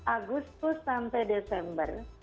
agustus sampai desember